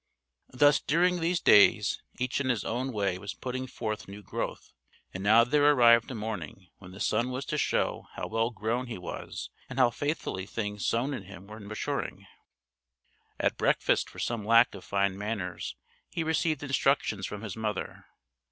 Thus during these days, each in his own way was putting forth new growth; and now there arrived a morning when the son was to show how well grown he was and how faithfully things sown in him were maturing. At breakfast for some lack of fine manners he received instructions from his mother.